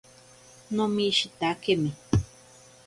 Nomishitakemi.